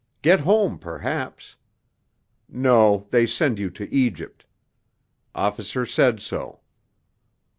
get home, perhaps ... no, they send you to Egypt ... officer said so....